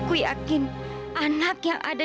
kalau anak yang ada